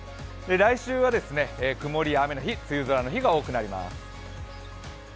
来週は曇りや雨の日、梅雨空の日が多くなります。